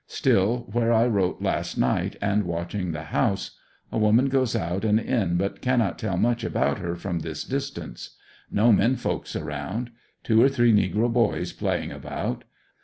Still where I wrote last night, and watching the house. A woman goes out and in but cannot tell much about her from this di«^tance. No men folks around. Two or three negro boys playing about.